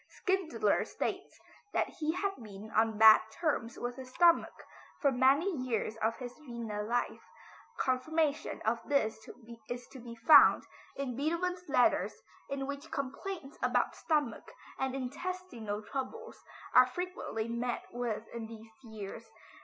Schindler states that he had been on bad terms with his stomach for many years of his Vienna life. Confirmation of this is to be found in Beethoven's letters in which complaints about stomach and intestinal troubles are frequently met with in these years.